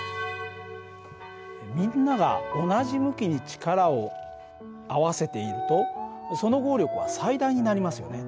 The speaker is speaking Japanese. みんなが同じ向きに力を合わせているとその合力は最大になりますよね。